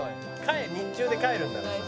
「日中で帰るからさ」